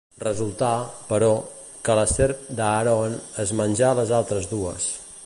Resultà, però, que la serp d'Aaron es menjà les altres dues.